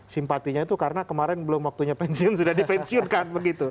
simpatinya itu karena kemarin belum waktunya pensiun sudah dipensiunkan begitu